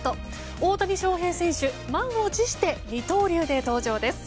大谷翔平選手満を持して二刀流で登場です。